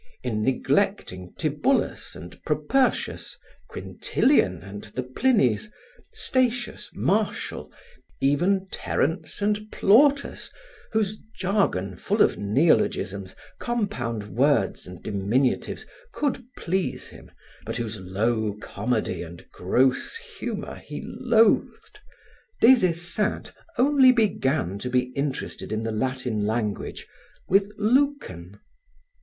In neglecting Tibullus and Propertius, Quintilian and the Plinies, Statius, Martial, even Terence and Plautus whose jargon full of neologisms, compound words and diminutives, could please him, but whose low comedy and gross humor he loathed, Des Esseintes only began to be interested in the Latin language with Lucan.